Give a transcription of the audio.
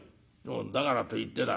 だからといってだ